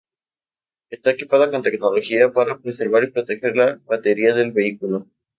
Está equipado con tecnología para preservar y proteger la batería del vehículo.